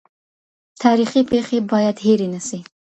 تاریخي پېښې باید هېرې نسي.